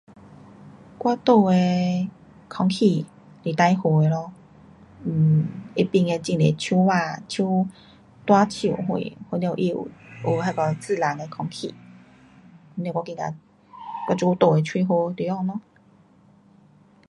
我住的空气是最好的咯。um 它旁边很多树芭，树，大树什，好了它有那个自然的空气。嘞我觉得我这久住的，蛮好地方咯。